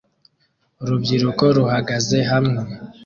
Urubyiruko ruhagaze hamwe